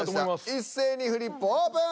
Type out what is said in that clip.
一斉にフリップオープン！